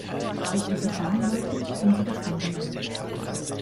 Als wir sie fangen wollten, sind sie davongerannt.